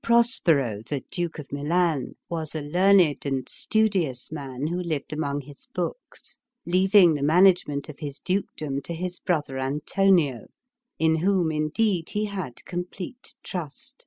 PROSPERO, the Duke of Milan, was a learned and studious man, who lived among his books, leaving the management of his dukedom to his brother Antonio, in whom indeed he had complete trust.